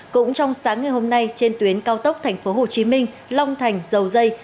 cũng trong sáng ngày hôm nay trên tuyến cao tốc tp hcm long thành dầu dây